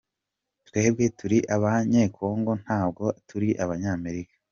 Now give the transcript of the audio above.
Twebwe turi abanye- Congo ntabwo turi Abanyamerika.